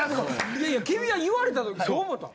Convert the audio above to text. いやいや君は言われた時どう思たん？